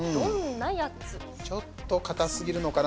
ちょっと硬すぎるのかな。